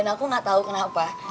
dan aku gak tahu kenapa